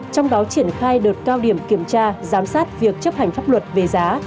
trong đó triển khai đợt cao điểm kiểm tra giám sát việc chấp hành pháp luật về giá